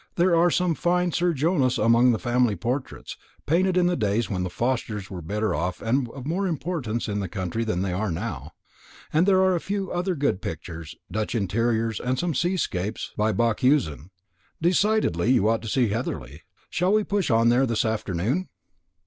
There are some fine Sir Joshuas among the family portraits, painted in the days when the Forsters were better off and of more importance in the county than they are now. And there are a few other good pictures Dutch interiors, and some seascapes by Bakhuysen. Decidedly you ought to see Heatherly. Shall we push on there this afternoon?"